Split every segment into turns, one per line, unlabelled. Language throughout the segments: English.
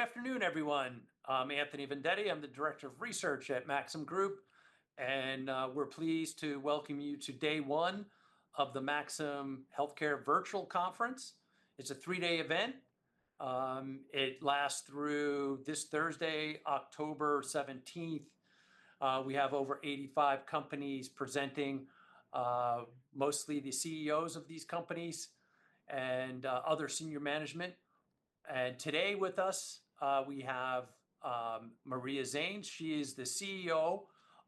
Good afternoon, everyone. I'm Anthony Vendetti. I'm the director of research at Maxim Group, and we're pleased to welcome you to day one of the Maxim Healthcare Virtual Conference. It's a three-day event. It lasts through this Thursday, October 17th. We have over 85 companies presenting, mostly the CEOs of these companies and other senior management. And today with us, we have Maria Zannes. She is the CEO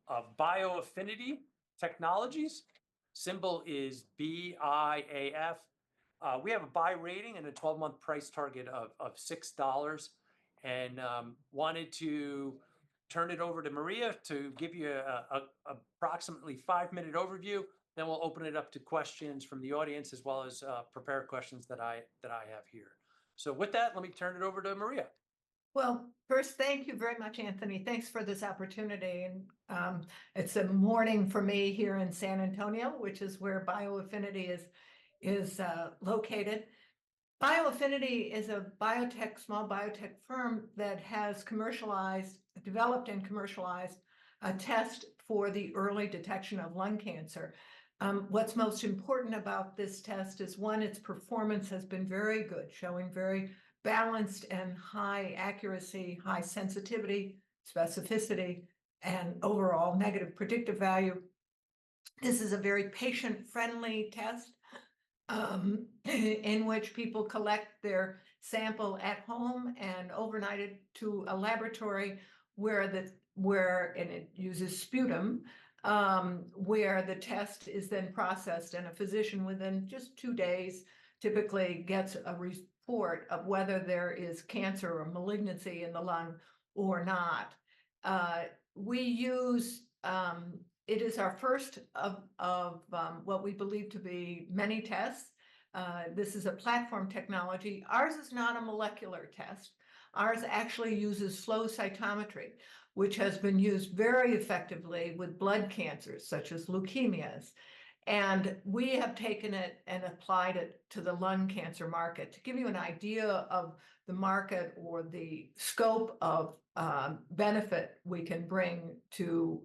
of bioAffinity Technologies. Symbol is BIAF. We have a buy rating and a 12-month price target of $6. And wanted to turn it over to Maria to give you a approximately five-minute overview. Then we'll open it up to questions from the audience, as well as prepared questions that I have here. So with that, let me turn it over to Maria.
First, thank you very much, Anthony. Thanks for this opportunity, and it's a morning for me here in San Antonio, which is where bioAffinity is located. bioAffinity is a small biotech firm that has developed and commercialized a test for the early detection of lung cancer. What's most important about this test is, one, its performance has been very good, showing very balanced and high accuracy, high sensitivity, specificity, and overall negative predictive value. This is a very patient-friendly test, in which people collect their sample at home and overnight it to a laboratory, where the test is then processed, and it uses sputum, and a physician, within just two days, typically gets a report of whether there is cancer or malignancy in the lung or not. We use... It is our first of what we believe to be many tests. This is a platform technology. Ours is not a molecular test. Ours actually uses flow cytometry, which has been used very effectively with blood cancers, such as leukemias, and we have taken it and applied it to the lung cancer market. To give you an idea of the market or the scope of benefit we can bring to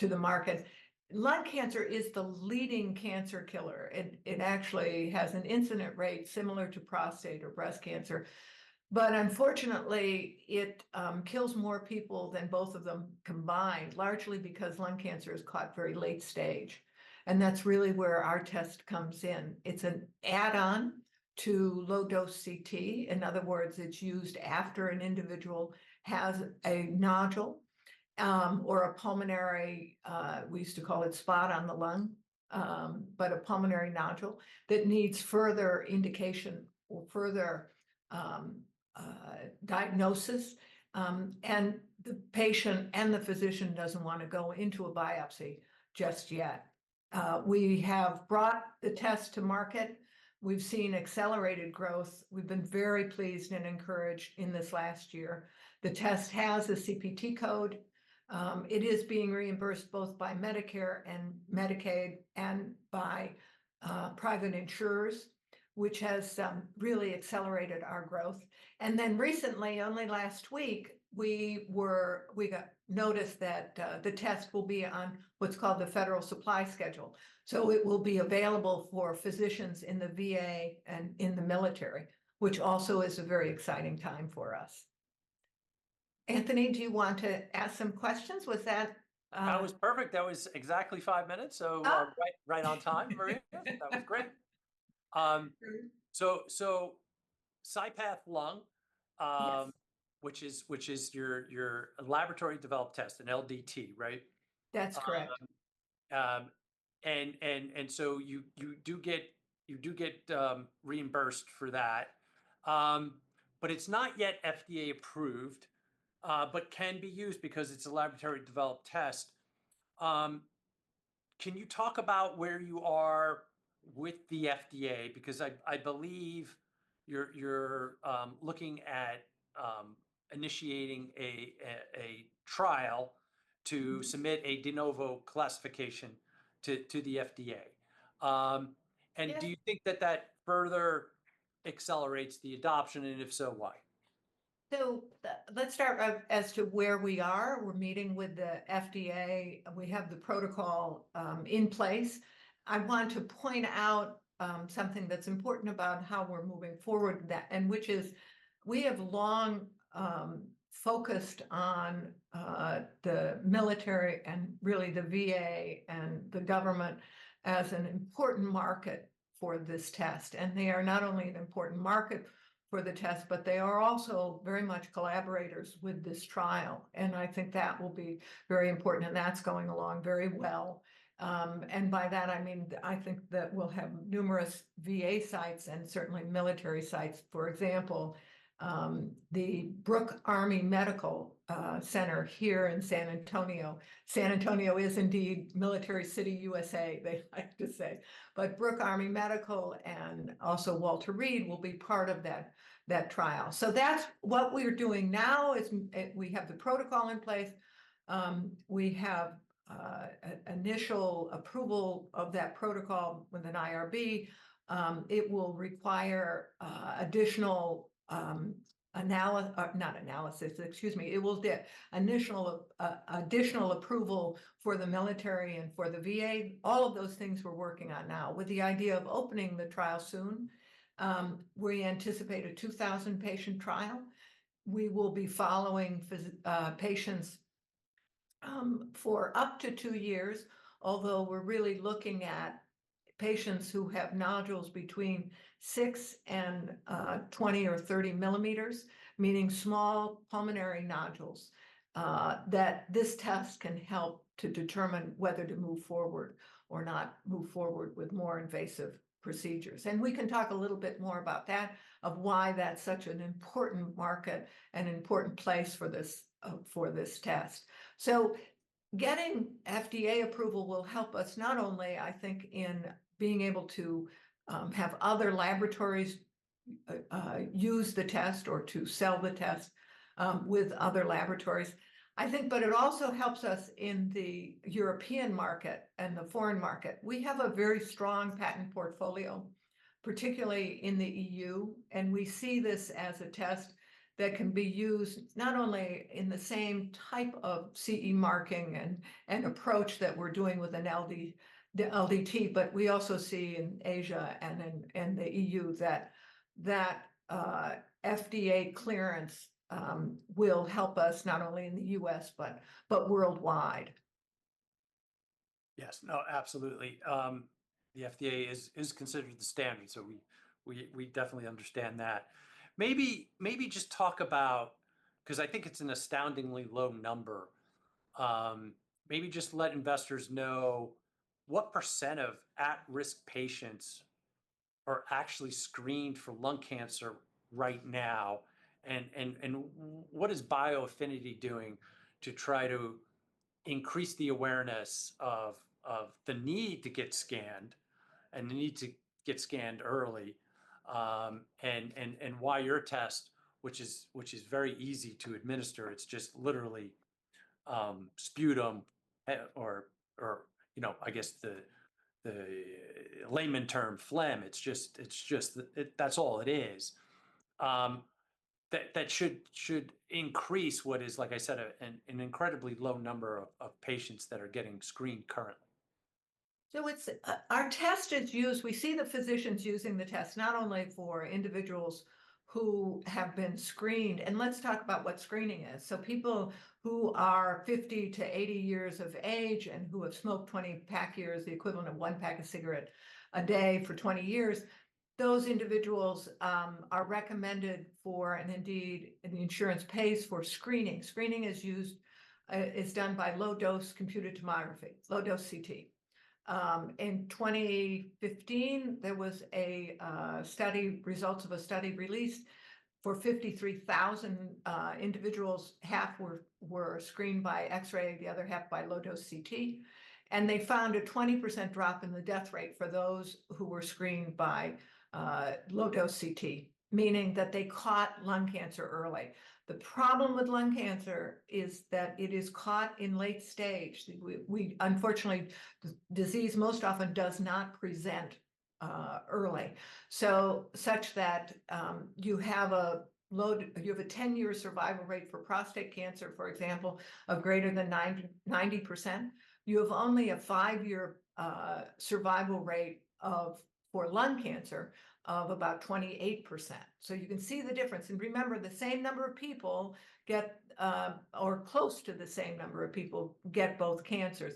the market, lung cancer is the leading cancer killer. It actually has an incidence rate similar to prostate or breast cancer, but unfortunately, it kills more people than both of them combined, largely because lung cancer is caught very late stage, and that's really where our test comes in. It's an add-on to low-dose CT. In other words, it's used after an individual has a nodule, or a pulmonary, we used to call it spot on the lung, but a pulmonary nodule that needs further indication or further, diagnosis, and the patient and the physician doesn't want to go into a biopsy just yet. We have brought the test to market. We've seen accelerated growth. We've been very pleased and encouraged in this last year. The test has a CPT code. It is being reimbursed both by Medicare and Medicaid and by, private insurers, which has, really accelerated our growth. And then recently, only last week, we got notice that the test will be on what's called the Federal Supply Schedule, so it will be available for physicians in the VA and in the military, which also is a very exciting time for us. Anthony, do you want to ask some questions? Was that
That was perfect. That was exactly five minutes-
Oh!...
so, right on time, Maria. That was great. So, CyPath Lung-
Yes ...
which is your laboratory developed test, an LDT, right?
That's correct.
And so you do get reimbursed for that. But it's not yet FDA-approved, but can be used because it's a laboratory developed test. Can you talk about where you are with the FDA? Because I believe you're looking at initiating a trial-
Mm-hmm...
to submit a De Novo classification to the FDA. And-
Yes...
do you think that further accelerates the adoption, and if so, why?
So, let's start with as to where we are. We're meeting with the FDA, and we have the protocol in place. I want to point out something that's important about how we're moving forward, and which is we have long focused on the military and really the VA and the government as an important market for this test. And they are not only an important market for the test, but they are also very much collaborators with this trial, and I think that will be very important, and that's going along very well. And by that, I mean, I think that we'll have numerous VA sites and certainly military sites, for example, the Brooke Army Medical Center here in San Antonio. San Antonio is indeed Military City, USA, they like to say. But Brooke Army Medical and also Walter Reed will be part of that trial. So that's what we're doing now is we have the protocol in place. We have initial approval of that protocol with an IRB. It will require additional, not analysis, excuse me, it will the initial additional approval for the military and for the VA. All of those things we're working on now, with the idea of opening the trial soon. We anticipate a 2,000-patient trial. We will be following patients for up to two years, although we're really looking at patients who have nodules between six and 20 or 30 millimeters, meaning small pulmonary nodules that this test can help to determine whether to move forward or not move forward with more invasive procedures. And we can talk a little bit more about that, of why that's such an important market, an important place for this, for this test. So getting FDA approval will help us, not only I think, in being able to, have other laboratories, use the test or to sell the test, with other laboratories, I think, but it also helps us in the European market and the foreign market. We have a very strong patent portfolio, particularly in the EU, and we see this as a test that can be used not only in the same type of CE marking and approach that we're doing with an LDT, the LDT, but we also see in Asia and in the EU that FDA clearance will help us not only in the U.S., but worldwide.
Yes. No, absolutely. The FDA is considered the standard, so we definitely understand that. Maybe just talk about... Because I think it's an astoundingly low number, maybe just let investors know what % of at-risk patients are actually screened for lung cancer right now, and what is BioAffinity doing to try to increase the awareness of the need to get scanned and the need to get scanned early? And why your test, which is very easy to administer, it's just literally sputum, or, you know, I guess the layman term, phlegm. It's just that's all it is. That should increase what is, like I said, an incredibly low number of patients that are getting screened currently.
So it's our test is used. We see the physicians using the test, not only for individuals who have been screened, and let's talk about what screening is. People who are 50 to 80 years of age and who have smoked 20 pack years, the equivalent of one pack of cigarette a day for 20 years, those individuals are recommended for, and indeed, and the insurance pays for screening. Screening is used, is done by low-dose computed tomography, low-dose CT. In 2015, there was a study, results of a study released for 53,000 individuals. Half were screened by X-ray, the other half by low-dose CT, and they found a 20% drop in the death rate for those who were screened by low-dose CT, meaning that they caught lung cancer early. The problem with lung cancer is that it is caught in late stage. Unfortunately, the disease most often does not present early, so such that you have a low. You have a 10-year survival rate for prostate cancer, for example, of greater than 90%. You have only a five-year survival rate for lung cancer of about 28%. So you can see the difference, and remember, the same number of people get or close to the same number of people get both cancers.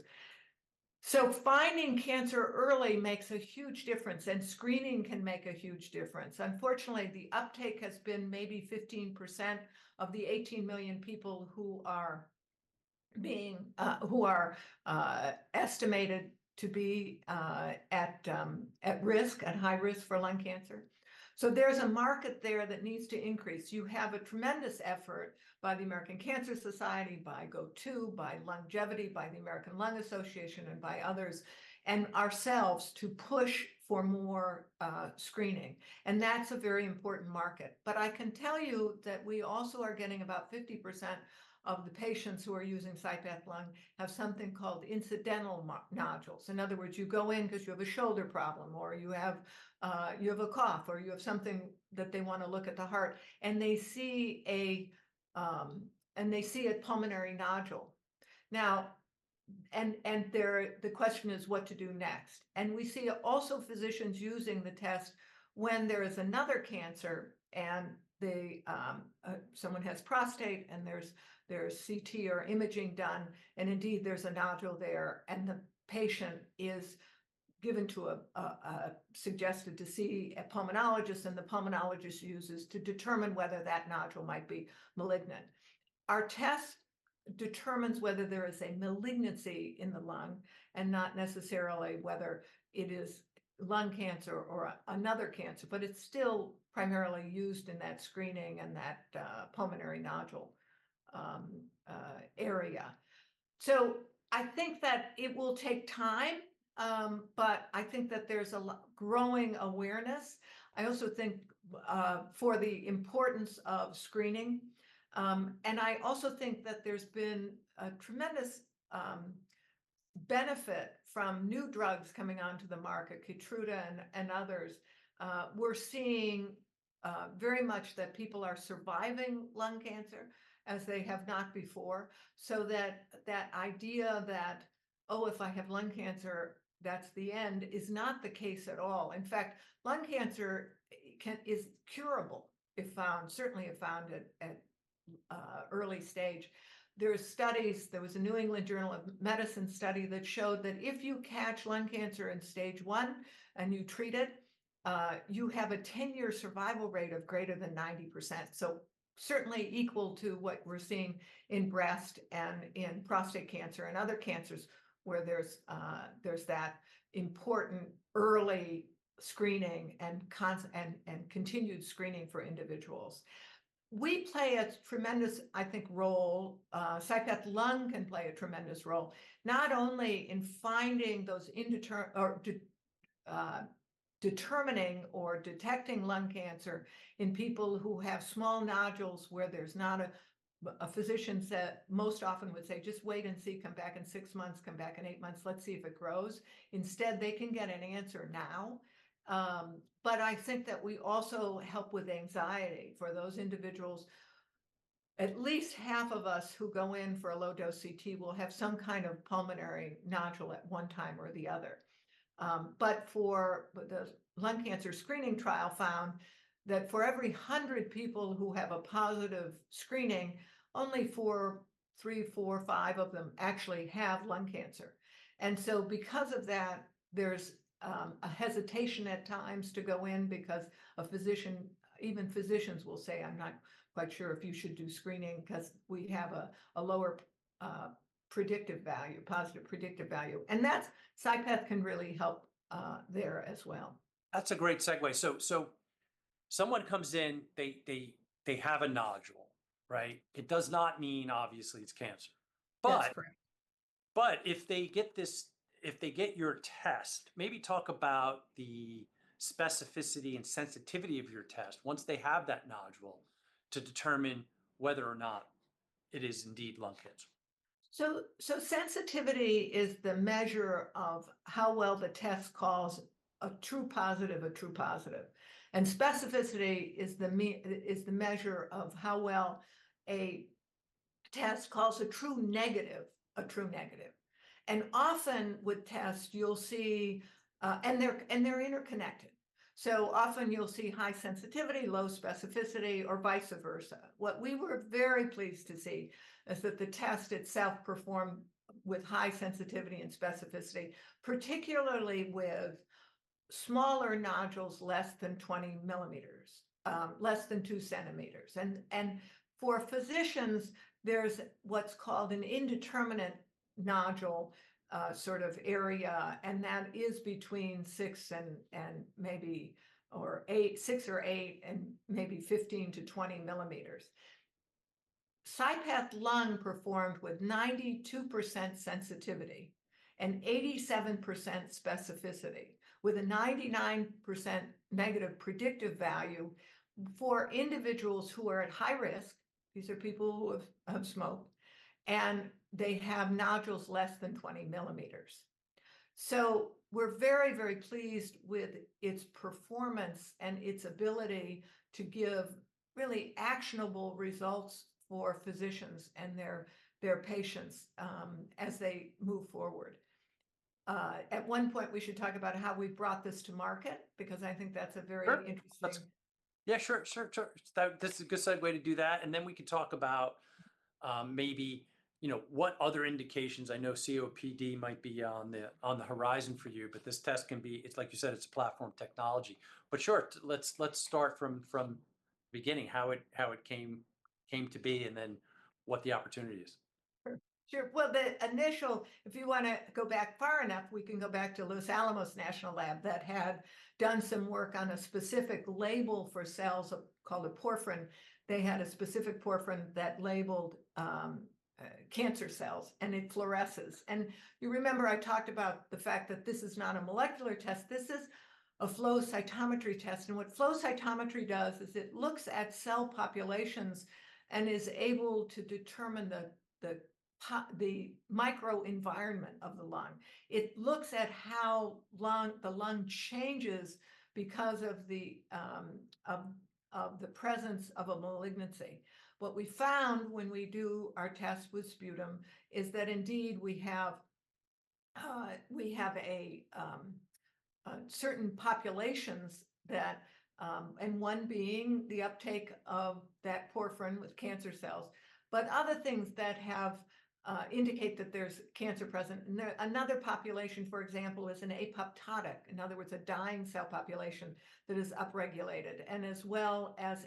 So finding cancer early makes a huge difference, and screening can make a huge difference. Unfortunately, the uptake has been maybe 15% of the 18 million people who are estimated to be at risk, at high risk for lung cancer. So there's a market there that needs to increase. You have a tremendous effort by the American Cancer Society, by GO2, by LUNGevity, by the American Lung Association, and by others, and ourselves, to push for more screening, and that's a very important market. But I can tell you that we also are getting about 50% of the patients who are using CyPath Lung, have something called incidental pulmonary nodules. In other words, you go in 'cause you have a shoulder problem, or you have a cough, or you have something that they wanna look at the heart, and they see a pulmonary nodule. Now, there, the question is what to do next? And we see also physicians using the test when there is another cancer, and they someone has prostate, and there's CT or imaging done, and indeed, there's a nodule there, and the patient is given to a suggested to see a pulmonologist, and the pulmonologist uses to determine whether that nodule might be malignant. Our test determines whether there is a malignancy in the lung and not necessarily whether it is lung cancer or another cancer, but it's still primarily used in that screening and that pulmonary nodule area, so I think that it will take time, but I think that there's a growing awareness. I also think for the importance of screening, and I also think that there's been a tremendous benefit from new drugs coming onto the market, Keytruda and others. We're seeing very much that people are surviving lung cancer as they have not before, so that idea that Oh, if I have lung cancer, that's the end, is not the case at all. In fact, lung cancer can is curable if found, certainly if found at early stage. There are studies, there was a New England Journal of Medicine study that showed that if you catch lung cancer in stage one and you treat it, you have a 10-year survival rate of greater than 90%. So certainly equal to what we're seeing in breast and in prostate cancer and other cancers, where there's that important early screening and continued screening for individuals. We play a tremendous, I think, role. CyPath Lung can play a tremendous role, not only in finding those indeterminate or detecting lung cancer in people who have small nodules, where a physician most often would say, "Just wait and see. Come back in six months, come back in eight months. Let's see if it grows." Instead, they can get an answer now. But I think that we also help with anxiety for those individuals. At least half of us who go in for a low-dose CT will have some kind of pulmonary nodule at one time or the other. But the lung cancer screening trial found that for every 100 people who have a positive screening, only three, four, or five of them actually have lung cancer. And so because of that, there's a hesitation at times to go in, because a physician, even physicians will say, "I'm not quite sure if you should do screening," 'cause we have a lower predictive value, positive predictive value. And that's, CyPath can really help there as well.
That's a great segue. So, someone comes in, they have a nodule, right? It does not mean obviously it's cancer.
That's correct.
But if they get this, if they get your test, maybe talk about the specificity and sensitivity of your test once they have that nodule, to determine whether or not it is indeed lung cancer.
Sensitivity is the measure of how well the test calls a true positive, a true positive. Specificity is the measure of how well a test calls a true negative, a true negative. Often with tests, you'll see and they're interconnected, so often you'll see high sensitivity, low specificity, or vice versa. What we were very pleased to see is that the test itself performed with high sensitivity and specificity, particularly with smaller nodules, less than 20 millimeters, less than two centimeters. For physicians, there's what's called an indeterminate nodule, sort of area, and that is between six and eight, and maybe 15-20 millimeters. CyPath Lung performed with 92% sensitivity and 87% specificity, with a 99% negative predictive value for individuals who are at high risk. These are people who have smoked, and they have nodules less than 20 millimeters. So we're very, very pleased with its performance and its ability to give really actionable results for physicians and their patients as they move forward. At one point, we should talk about how we brought this to market, because I think that's a very-
Sure...
interesting.
Yeah, sure, sure, sure. That's a good segue to do that, and then we can talk about, maybe, you know, what other indications. I know COPD might be on the horizon for you, but this test can be. It's like you said, it's platform technology. But sure, let's start from beginning, how it came to be, and then what the opportunity is.
Sure. Sure, well, the initial, if you wanna go back far enough, we can go back to Los Alamos National Lab that had done some work on a specific label for cells, called a porphyrin. They had a specific porphyrin that labeled cancer cells, and it fluoresces. And you remember I talked about the fact that this is not a molecular test, this is a flow cytometry test. And what flow cytometry does is it looks at cell populations and is able to determine the microenvironment of the lung. It looks at how the lung changes because of the presence of a malignancy. What we found when we do our test with sputum is that indeed we have a certain populations that... One being the uptake of that porphyrin with cancer cells, but other things that indicate that there's cancer present. Another population, for example, is an apoptotic, in other words, a dying cell population that is upregulated, and as well as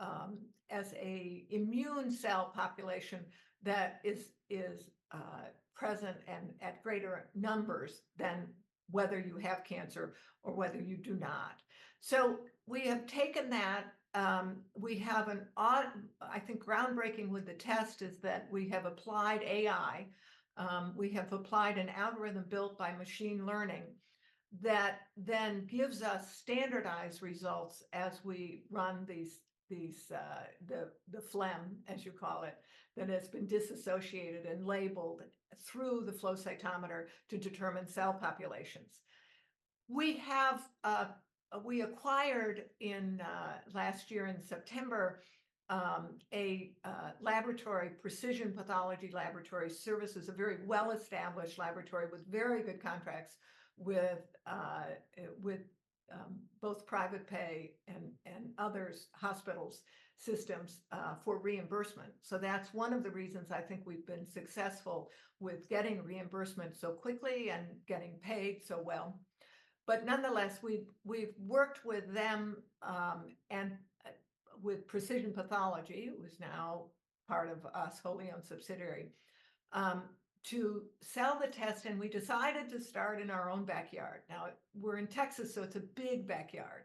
an immune cell population that is present and at greater numbers than whether you have cancer or whether you do not. We have taken that. I think groundbreaking with the test is that we have applied AI. We have applied an algorithm built by machine learning that then gives us standardized results as we run the phlegm, as you call it, that has been dissociated and labeled through the flow cytometer to determine cell populations. We acquired in last year in September a laboratory, Precision Pathology Laboratory Services. A very well-established laboratory with very good contracts with both private pay and other hospital systems for reimbursement. So that's one of the reasons I think we've been successful with getting reimbursement so quickly and getting paid so well. But nonetheless, we've worked with them and with Precision Pathology, who is now part of us, wholly owned subsidiary, to sell the test, and we decided to start in our own backyard. Now, we're in Texas, so it's a big backyard,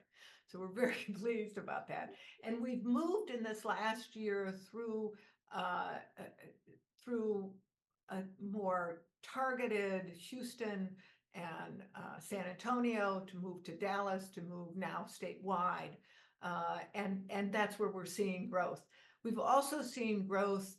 so we're very pleased about that. We've moved in this last year through a more targeted Houston and San Antonio, to move to Dallas, to move now statewide. And that's where we're seeing growth. We've also seen growth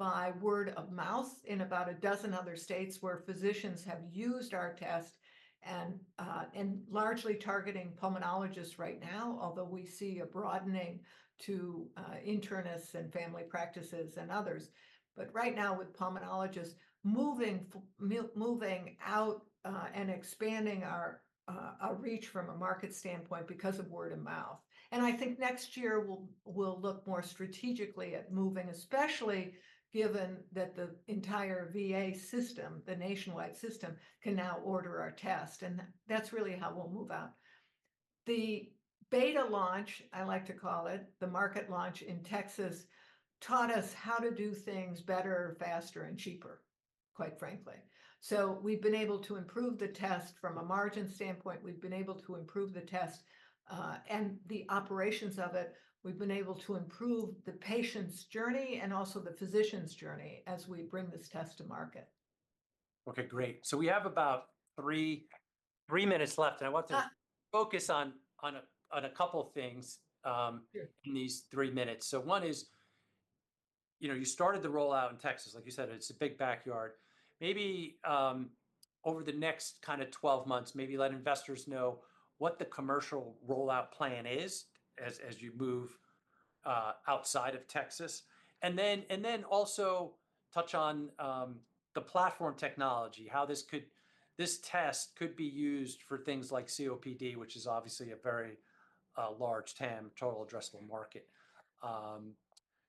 by word of mouth in about a dozen other states where physicians have used our test and largely targeting pulmonologists right now, although we see a broadening to internists and family practices and others. But right now with pulmonologists, moving out and expanding our reach from a market standpoint because of word of mouth. And I think next year we'll look more strategically at moving, especially given that the entire VA system, the nationwide system, can now order our test, and that's really how we'll move out. The beta launch, I like to call it, the market launch in Texas, taught us how to do things better, faster, and cheaper, quite frankly. So we've been able to improve the test from a margin standpoint. We've been able to improve the test, and the operations of it. We've been able to improve the patient's journey and also the physician's journey as we bring this test to market.
Okay, great. So we have about three minutes left-
Uh...
and I want to focus on a couple things,
Sure...
in these three minutes. So one is, you know, you started the rollout in Texas. Like you said, it's a big backyard. Maybe over the next kind of 12 months, maybe let investors know what the commercial rollout plan is as you move outside of Texas. And then also touch on the platform technology, how this could- this test could be used for things like COPD, which is obviously a very large TAM, total addressable market.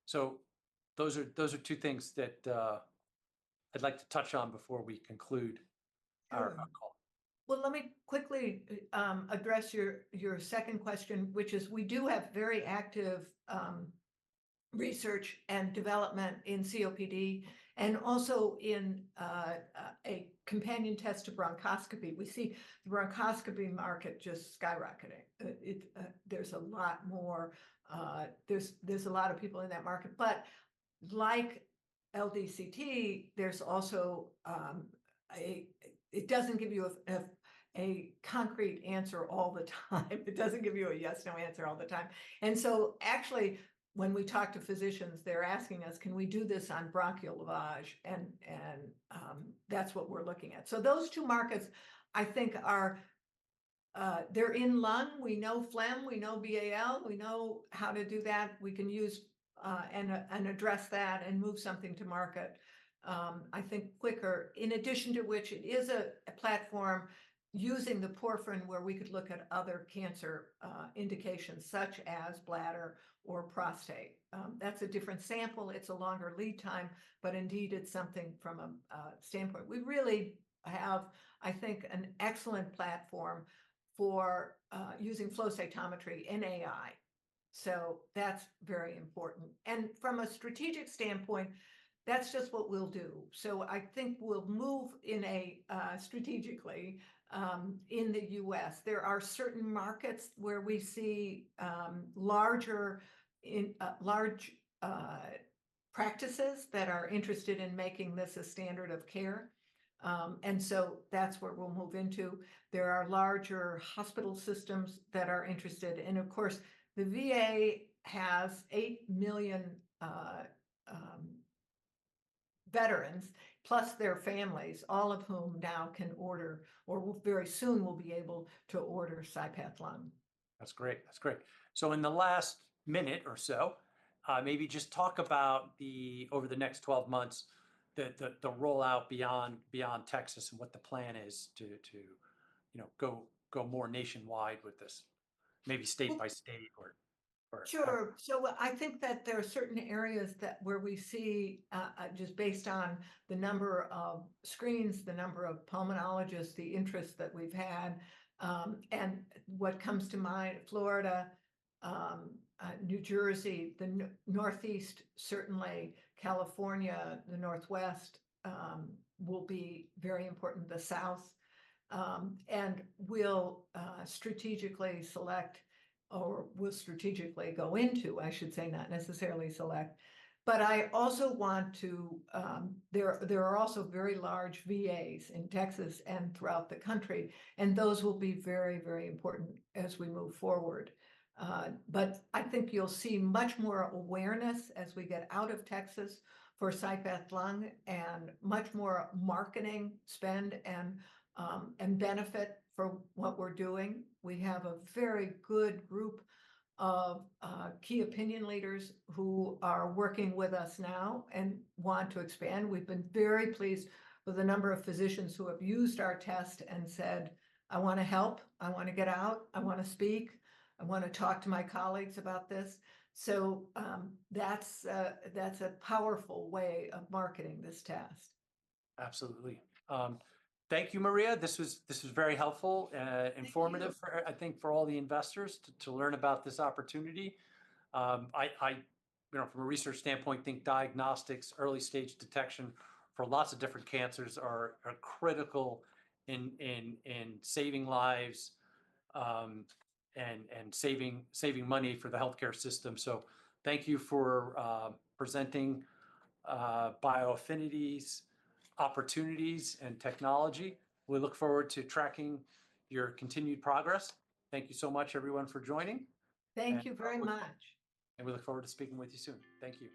So those are two things that I'd like to touch on before we conclude-
Sure...
our call.
Let me quickly address your second question, which is we do have very active research and development in COPD and also in a companion test to bronchoscopy. We see the bronchoscopy market just skyrocketing. There's a lot more. There's a lot of people in that market. But like LDCT, there's also it doesn't give you a concrete answer all the time. It doesn't give you a yes/no answer all the time. And so actually, when we talk to physicians, they're asking us, "Can we do this on bronchial lavage?" And that's what we're looking at. So those two markets, I think are. They're in lung, we know phlegm, we know BAL, we know how to do that. We can use and address that, and move something to market, I think quicker. In addition to which, it is a platform using the porphyrin, where we could look at other cancer indications, such as bladder or prostate. That's a different sample, it's a longer lead time, but indeed, it's something from a standpoint. We really have, I think, an excellent platform for using flow cytometry in AI, so that's very important. And from a strategic standpoint, that's just what we'll do. So I think we'll move in a strategically in the U.S. There are certain markets where we see larger practices that are interested in making this a standard of care. And so that's where we'll move into. There are larger hospital systems that are interested, and of course, the VA has eight million veterans, plus their families, all of whom now can order or very soon will be able to order CyPath Lung.
That's great. That's great. So in the last minute or so, maybe just talk about, over the next 12 months, the rollout beyond Texas and what the plan is to, you know, go more nationwide with this, maybe state-
Well...
by state or-
Sure. So I think that there are certain areas where we see, just based on the number of screens, the number of pulmonologists, the interest that we've had. And what comes to mind, Florida, New Jersey, the Northeast, certainly California, the Northwest, will be very important, the South. And we'll strategically select or we'll strategically go into, I should say, not necessarily select. But I also want to. There are also very large VAs in Texas and throughout the country, and those will be very, very important as we move forward. But I think you'll see much more awareness as we get out of Texas for CyPath Lung, and much more marketing spend and, and benefit for what we're doing. We have a very good group of key opinion leaders who are working with us now and want to expand. We've been very pleased with the number of physicians who have used our test and said, "I wanna help. I wanna get out. I wanna speak. I wanna talk to my colleagues about this." So, that's a powerful way of marketing this test.
Absolutely. Thank you, Maria. This was very helpful.
Thank you...
informative for, I think, for all the investors to learn about this opportunity. I, you know, from a research standpoint, think diagnostics, early stage detection for lots of different cancers are critical in saving lives, and saving money for the healthcare system. So thank you for presenting bioAffinity's opportunities and technology. We look forward to tracking your continued progress. Thank you so much everyone for joining, and-
Thank you very much.
We look forward to speaking with you soon. Thank you.